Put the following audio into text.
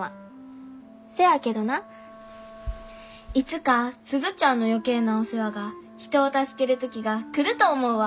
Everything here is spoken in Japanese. せやけどないつか鈴ちゃんの余計なお世話が人を助ける時が来ると思うわ。